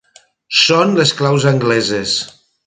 Són les claus angleses.